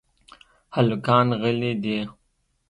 هلکان غلي دپ .